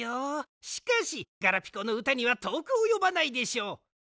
しかしガラピコのうたにはとおくおよばないでしょう。